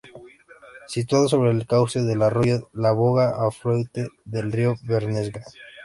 Situado sobre el cauce del Arroyo la Boga, afluente del río Bernesga.